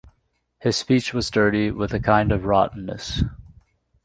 His speech was dirty, with a kind of rottenness.